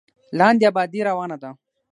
لاندې ابادي روانه ده.